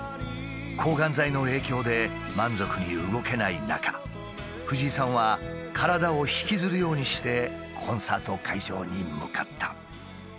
抗がん剤の影響で満足に動けない中藤井さんは体を引きずるようにしてコンサート会場に向かった。